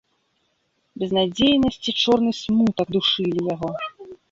Безнадзейнасць і чорны смутак душылі яго.